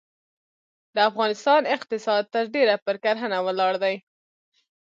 د افغانستان اقتصاد ترډیره پرکرهڼه ولاړ دی.